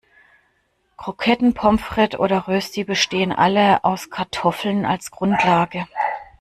Kroketten, Pommes frites oder Rösti bestehen alle aus Kartoffeln als Grundlage.